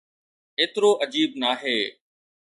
ايترو عجيب ناهي.